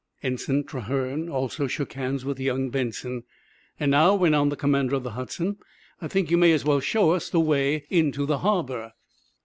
Ensign Trahern also shook hands with young Benson. "And now," went on the commander of the "Hudson," "I think you may as well show us the way into the harbor."